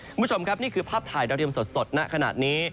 คุณผู้ชมครับนี่คือภาพถ่ายดาวเทียมสดณขณะนี้